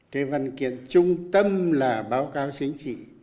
cái văn kiện trung tâm là báo cáo chính trị